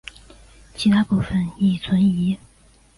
其他部分亦存疑。